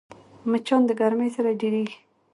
مچان د ګرمۍ سره ډېریږي